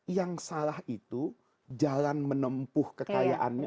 yang salah itu jalan menempuh kekayaannya